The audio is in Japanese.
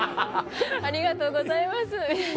「ありがとうございます」みたいな。